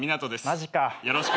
マジか。